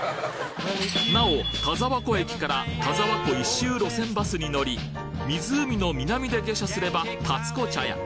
なお田沢湖駅から田沢湖一周路線バスに乗り湖の南で下車すればたつこ茶屋